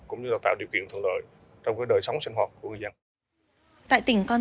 cũng như tạo điều kiện thuận lợi trong đời sống sinh hoạt của người dân